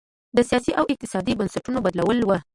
د سیاسي او اقتصادي بنسټونو بدلول و.